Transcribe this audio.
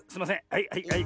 はいはいはい。